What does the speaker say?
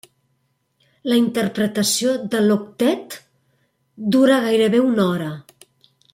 La interpretació de l'Octet dura gairebé una hora.